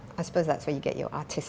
keinginan dan talenta artis